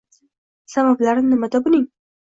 Sabablari nimada buning?